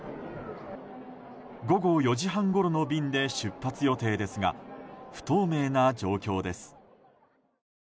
午後４時半ごろの便で出発予定ですが不透明な状況です。